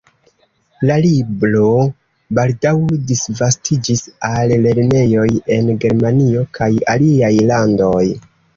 La libro baldaŭ disvastiĝis al lernejoj en Germanio kaj aliaj landoj.